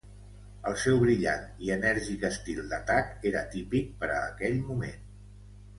El seu brillant i enèrgic estil d'atac era típic per a aquell moment.